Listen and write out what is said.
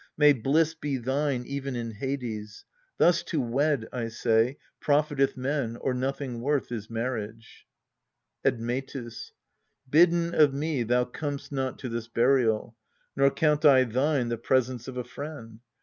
May bliss be thine Even in Hades. Thus to wed, I say, Profiteth men or nothing worth is marriage. Admetus. Bidden of me thou com'st not to this burial, Nor count I thine the presence of a friend.